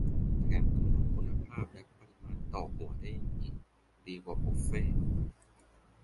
- แถมกำหนดคุณภาพและปริมาณต่อหัวได้อีก ดีกว่าบุฟเฟต์